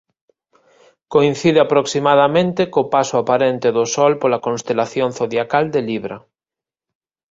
Coincide aproximadamente co paso aparente do Sol pola constelación zodiacal de Libra.